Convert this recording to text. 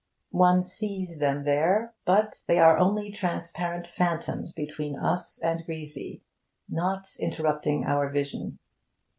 One sees them there; but they are only transparent phantoms between us and Grisi, not interrupting our vision.